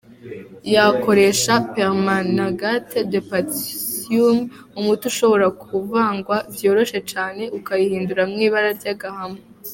Yakoresha 'Permanganate de Potassium', umuti ushobora kuvangwa vyoroshe cane ukayahindura mw'ibara ry'agahama.